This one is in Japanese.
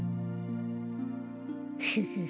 フフフ。